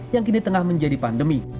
yang kini tengah menjadi pandemi